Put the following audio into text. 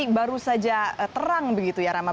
terus saja terang begitu ya rama